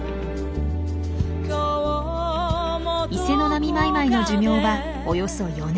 イセノナミマイマイの寿命はおよそ４年。